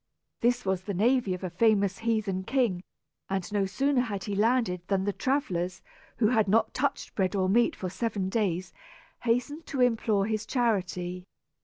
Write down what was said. This was the navy of a famous heathen king, and no sooner had he landed than the travellers, who had not touched bread or meat for seven days, hastened to implore his charity.